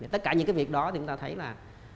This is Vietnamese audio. tất cả những cái việc đó thì chúng ta thấy là